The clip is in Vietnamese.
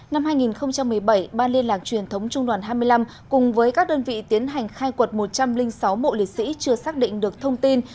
năm hai nghìn một mươi bảy ban liên lạc truyền thống trung đoàn hai mươi năm cùng với các đơn vị tiến hành khai quật một trăm linh sáu mộ liệt sĩ chưa xác định được thông tin